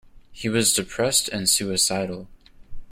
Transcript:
He was depressed and suicidal.